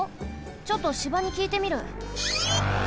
ちょっと芝にきいてみる。